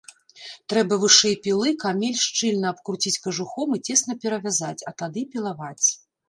Трэба вышэй пілы камель шчыльна абкруціць кажухом і цесна перавязаць, а тады пілаваць.